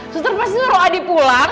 suster pasti suruh adi pulang